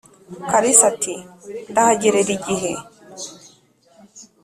kalisa ati"ndahagerera igihe"